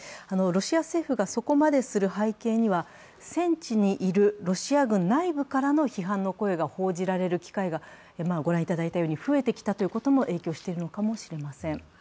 ロシア政府がそこまでする背景には戦地にいるロシア軍内部からの批判の声が報じられる機会が御覧いただいたように増えてきたということも影響しているのかもしれません。